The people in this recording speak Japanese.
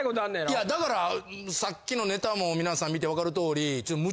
いやだからさっきのネタも皆さん見てわかる通りちょっと。